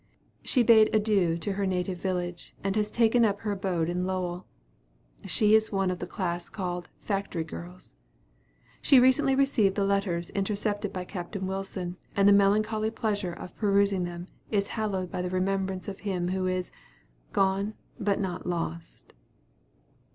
She bade adieu to her native village, and has taken up her abode in Lowell. She is one of the class called "factory girls." She recently received the letters intercepted by Capt. Wilson, and the melancholy pleasure of perusing them is hallowed by the remembrance of him who is "gone, but not lost."